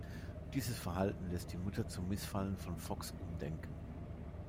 Dieses Verhalten lässt die Mutter zum Missfallen von Fox umdenken.